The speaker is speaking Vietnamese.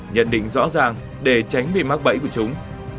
nhận định rõ ràng để tránh bị mắc bẫy của chúng